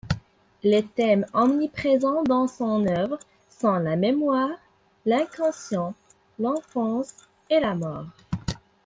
Les thèmes omniprésents dans son œuvre sont la mémoire, l’inconscient, l’enfance et la mort.